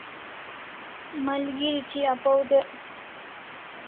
Malgeri thi apaw dek